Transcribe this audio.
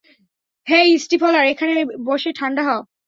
হেই Stifler, এখানে বসে ঠাণ্ডা হ।